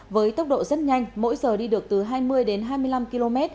với tốc độ rất nhanh mỗi giờ đi được từ hai mươi đến hai mươi năm km